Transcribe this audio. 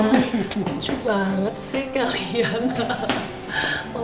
lucu banget sih kalian